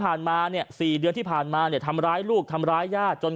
มาเนี่ย๔เดือนที่ผ่านมาเนี่ยทำร้ายลูกทำร้ายย่าจน